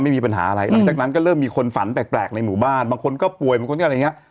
ไม่มีปัญหาอะไรหลังจากนั้นก็เริ่มมีคนฝันแปลกในหมู่บ้านบางคนก็ป่วยบางคนก็อะไรอย่างเงี้ย